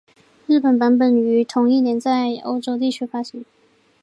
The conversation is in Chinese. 英文版本于同一年在欧洲地区发行。